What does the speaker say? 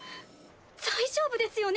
大丈夫ですよね？